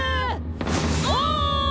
お！